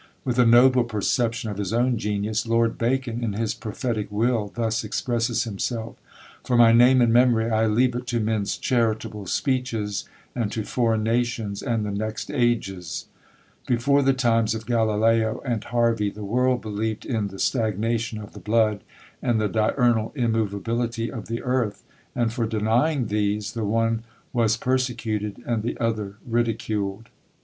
With a noble perception of his own genius, Lord Bacon, in his prophetic Will, thus expresses himself: "For my name and memory, I leave it to men's charitable speeches, and to foreign nations, and the next ages." Before the times of Galileo and Harvey the world believed in the stagnation of the blood, and the diurnal immovability of the earth; and for denying these the one was persecuted and the other ridiculed.